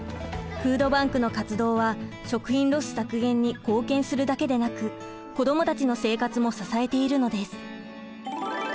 フードバンクの活動は食品ロス削減に貢献するだけでなく子供たちの生活も支えているのです。